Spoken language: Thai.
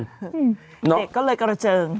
เด็กก็เลยกระเจิง